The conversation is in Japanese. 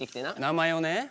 名前をね。